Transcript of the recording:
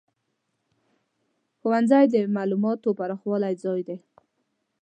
ښوونځی د معلوماتو پراخولو ځای دی.